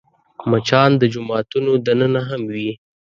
مچان د جوماتونو دننه هم وي